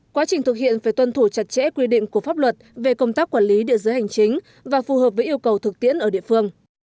quá trình thực hiện phải tuân thủ chặt chẽ quy định của pháp luật về công tác quản lý địa giới hành chính và phù hợp với yêu cầu thực tiễn ở địa phương